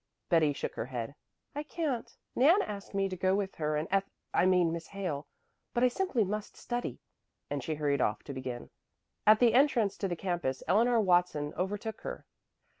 Betty shook her head. "I can't. Nan asked me to go with her and Eth I mean Miss Hale, but I simply must study." And she hurried off to begin. At the entrance to the campus Eleanor Watson overtook her.